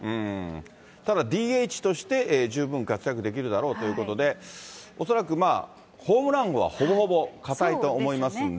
ただ、ＤＨとして、十分活躍できるだろうということで、恐らくまあ、ホームラン王はほぼほぼ固いと思いますんで。